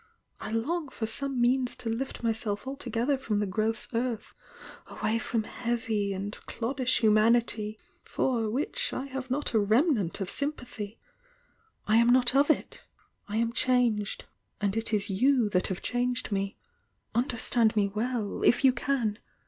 I long for some means to lift myself altogether from the gross earth away from heavy and cloddish humanity, for which I have not a remnant of sympathy! I am not of it!— i am changed, and it is you that have changed me. Un derstand me well, if you can!